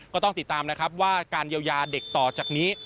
ก็ต้องติดตามนะครับว่าการเยียวยาเด็กต่อจากนี้